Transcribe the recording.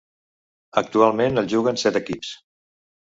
Actualment el juguen set equips.